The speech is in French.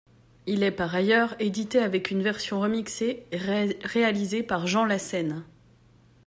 Il est, par ailleurs, édité avec une version remixée réalisée par Jean Lahcene.